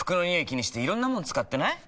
気にしていろんなもの使ってない？